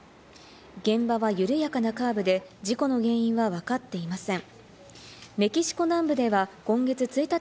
現場は緩やかなカーブで、事故の原因はわかっていません。